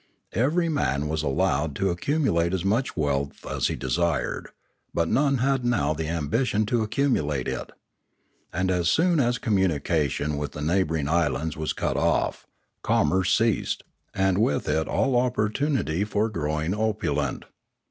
Every man was allowed to ac cumulate as much wealth as he desired. But none had now the ambition to accumulate it. And as soon as communication with the neighbouring islands was cut off, commerce ceased, and with it all opportunity for growing opulent.